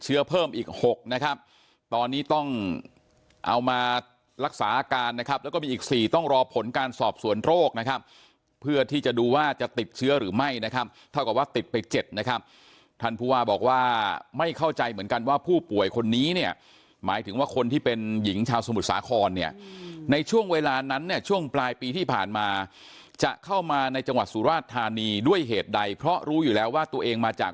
เอามารักษาอาการนะครับแล้วก็มีอีกสี่ต้องรอผลการสอบส่วนโรคนะครับเพื่อที่จะดูว่าจะติดเชื้อหรือไม่นะครับเท่ากับว่าติดไปเจ็บนะครับท่านภูวาบอกว่าไม่เข้าใจเหมือนกันว่าผู้ป่วยคนนี้เนี่ยหมายถึงว่าคนที่เป็นหญิงชาวสมุทรสาครเนี่ยในช่วงเวลานั้นเนี่ยช่วงปลายปีที่ผ่านมาจะเข้ามาในจังหวัด